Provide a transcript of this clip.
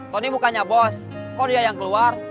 tony bukannya bos kok dia yang keluar